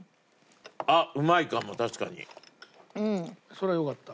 そりゃよかった。